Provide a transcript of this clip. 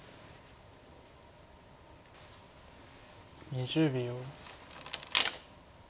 ２０秒。